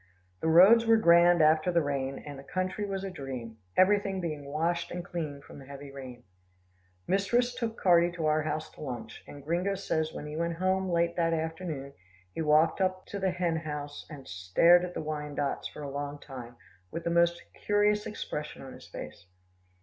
The roads were grand after the rain, and the country was a dream, everything being washed and clean from the heavy rain. Mistress took Carty to our house to lunch, and Gringo says when he went home late that afternoon, he walked up to the hen houses and stared at the Wyandottes for a long time, with the most curious expression on his face.